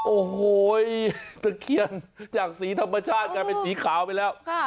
โอ้โหตะเคียนจากสีธรรมชาติกลายเป็นสีขาวไปแล้ว